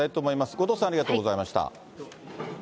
後藤さん、ありがとうございました。